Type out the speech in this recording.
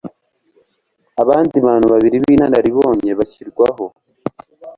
abandi bantu babiri b inararibonye bashyirwaho